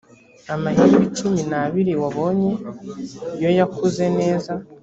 amahembe icumi na abiri wabonye ko yakuze neza